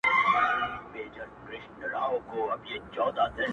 بیا مُلا سو بیا هغه د سیند څپې سوې؛